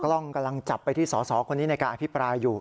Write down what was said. กล้องกำลังจับไปที่สอสอคนนี้ในการอภิปรายอยู่